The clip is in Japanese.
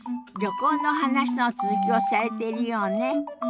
旅行の話の続きをされているようね。